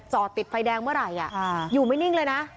จอดติดไฟแดงเมื่อไหร่อยู่ไม่นิ่งเลยนะ